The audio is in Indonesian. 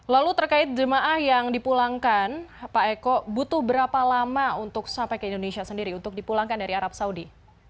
lalu terkait jemaah yang dipulangkan pak eko butuh berapa lama untuk sampai ke indonesia sendiri untuk dipulangkan dari arab saudi